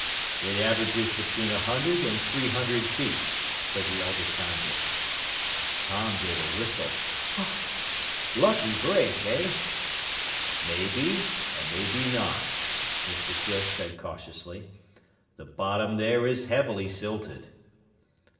"It averages between a hundred and three hundred feet," said the elder scientist. Tom gave a whistle. "Lucky break, eh?" "Maybe and maybe not," Mr. Swift said cautiously. "The bottom there is heavily silted."